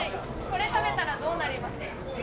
これ食べたらどうなります？